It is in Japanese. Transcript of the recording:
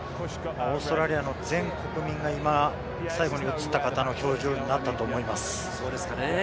オーストラリアの全国民が今、最後に映った方の表情になったと思います。